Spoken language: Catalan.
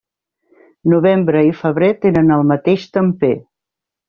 Novembre i febrer tenen el mateix temper.